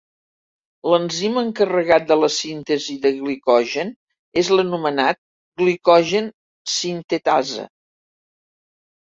L'enzim encarregat de la síntesi de glicogen és l'anomenat Glicogen sintetasa.